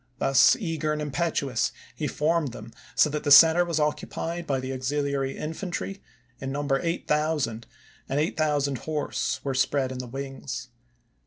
Thus eager and impetuous, he formed them so that the center was occupied by the auxiliary infantry, in number 8,000 and 8,000 horse were spread in the wings.